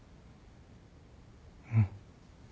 うん。